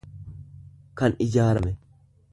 kan ijaarame.